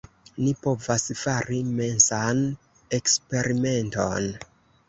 Ni povas fari mensan eksperimenton.